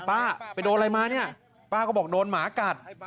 ไปโดนอะไรมาเนี่ยป้าก็บอกโดนหมากัด